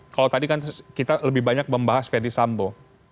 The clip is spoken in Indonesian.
kalau tadi kan kita lebih banyak membahas ferdis sambo